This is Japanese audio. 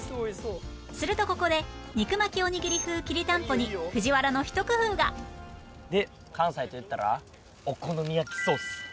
するとここで肉巻きおにぎり風きりたんぽに藤原のひと工夫がで関西といったらお好み焼きソース。